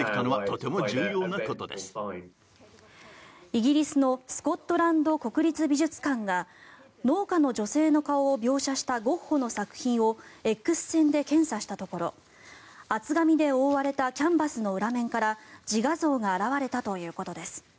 イギリスのスコットランド国立美術館が農家の女性の顔を描写したゴッホの作品をＸ線で検査したところ厚紙で覆われたキャンバスの裏面から自画像が現れたということです。